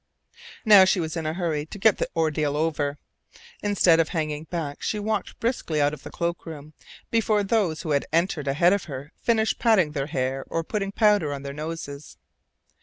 Now she was in a hurry to get the ordeal over. Instead of hanging back she walked briskly out of the cloak room before those who had entered ahead of her finished patting their hair or putting powder on their noses.